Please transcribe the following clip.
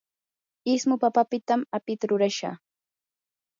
ismu papapitam apita rurashaa.